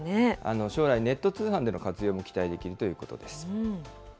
将来、ネット通販での活用も期待できるということです。